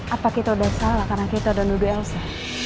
apa kita udah salah karena kita udah nuduh elsa